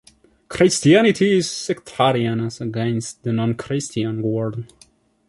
Christianity is sectarian as against the non-Christian world.